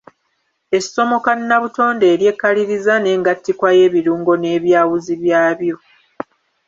Essomo kannabutonde eryekaliriza engattikwa y'ebirungo n'ebyawuzi byabyo.